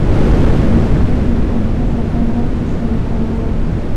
د پښو د فنګس لپاره باید څه شی وکاروم؟